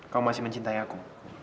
kamu masih mencintai aku